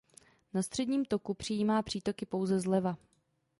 Na středním toku přijímá přítoky pouze zleva.